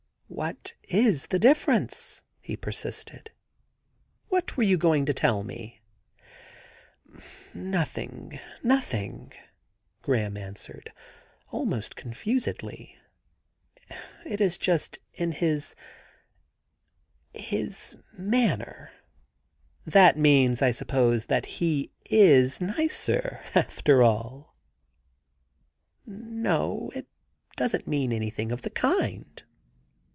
*What is the difference?' he persisted. * What were you going to tell me ?'* Nothing — ^nothing/ Graham answered almost con fusedly. * It is just in his — his manner.' ' That means, I suppose, that he is nicer — after aU !'' No, it doesn't mean anything of the kind.'